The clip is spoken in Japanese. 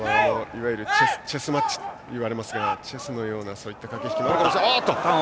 いわゆるチェスマッチといわれますがチェスのような駆け引きもあります。